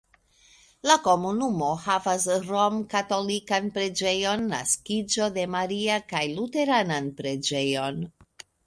La komunumo havas romkatolikan preĝejon Naskiĝo de Maria kaj luteranan preĝejon.